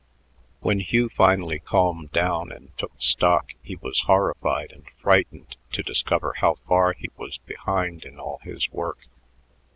When Hugh finally calmed down and took stock, he was horrified and frightened to discover how far he was behind in all his work.